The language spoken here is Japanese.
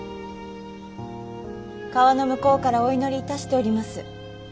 川の向こうからお祈りいたしております。